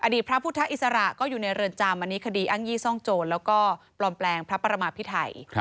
พระพุทธอิสระก็อยู่ในเรือนจำอันนี้คดีอ้างยี่ซ่องโจรแล้วก็ปลอมแปลงพระประมาพิไทย